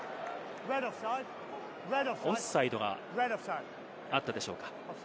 オフサイドがあったでしょうか。